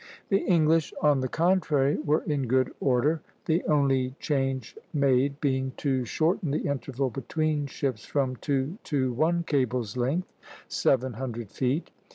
The English, on the contrary, were in good order, the only change made being to shorten the interval between ships from two to one cable's length (seven hundred feet).